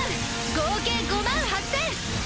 合計５８０００！